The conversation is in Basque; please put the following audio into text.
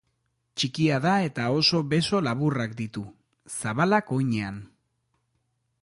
Txikia da eta oso beso laburrak ditu, zabalak oinean.